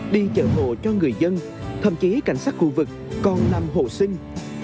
đi chở hộ cho người dân thậm chí cảnh sát khu vực còn làm hộ sinh